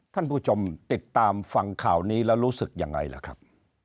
ท่านผู้ชมติดตามฟังข่าวนี้แล้วรู้สึกยังไงล่ะครับ